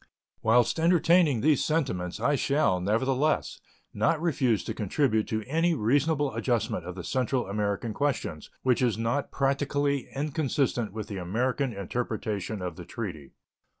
Whilst entertaining these sentiments, I shall, nevertheless, not refuse to contribute to any reasonable adjustment of the Central American questions which is not practically inconsistent with the American interpretation of the treaty.